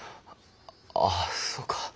ああそうか。